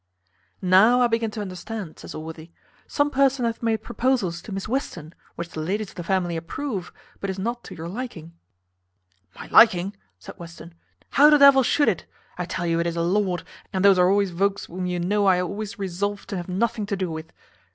"Now I begin to understand," says Allworthy; "some person hath made proposals to Miss Western, which the ladies of the family approve, but is not to your liking." "My liking!" said Western, "how the devil should it? I tell you it is a lord, and those are always volks whom you know I always resolved to have nothing to do with.